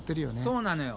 そうなのよ。